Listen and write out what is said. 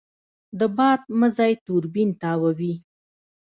د باد مزی توربین تاووي.